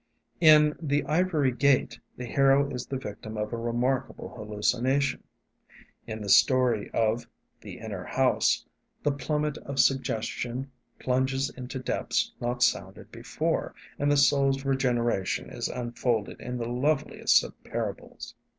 In the 'Ivory Gate' the hero is the victim of a remarkable hallucination; in the story of 'The Inner House' the plummet of suggestion plunges into depths not sounded before, and the soul's regeneration is unfolded in the loveliest of parables.